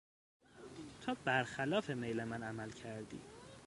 تو برخلاف میل من عمل کردی.